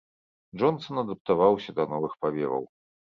Джонсан адаптаваўся да новых павеваў.